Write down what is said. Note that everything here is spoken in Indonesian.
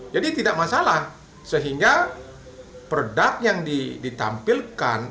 jadi tidak masalah sehingga produk yang ditampilkan